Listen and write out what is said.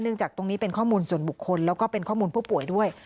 จากตรงนี้เป็นข้อมูลส่วนบุคคลแล้วก็เป็นข้อมูลผู้ป่วยด้วย